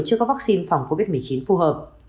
khi phòng covid một mươi chín phù hợp